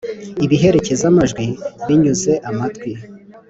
ibiherekeza-majwi binyuze amatwi